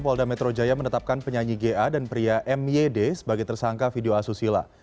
polda metro jaya menetapkan penyanyi ga dan pria myd sebagai tersangka video asusila